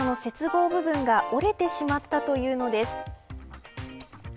具部分が折れてしまったというのです。